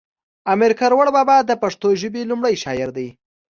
امیر کړوړ بابا د پښتو ژبی لومړی شاعر دی